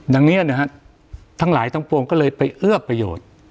อย่างนี้นะฮะทั้งหลายทั้งปวงก็เลยไปเอื้อประโยชน์